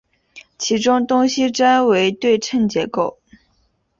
其中东西斋为对称结构。